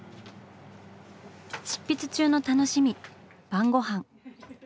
執筆中の楽しみ晩ごはん。